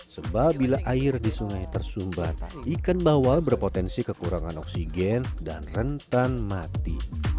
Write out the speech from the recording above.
sebab bila air di sungai tersumbat ikan bawal berpotensi kekurangan oksigen dan rentan mati